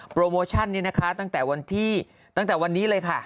โมชั่นนี้นะคะตั้งแต่วันที่ตั้งแต่วันนี้เลยค่ะ